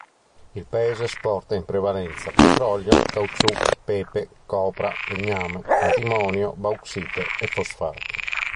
Il paese esporta in prevalenza petrolio, caucciù, pepe, copra, legname, antimonio, bauxite e fosfati.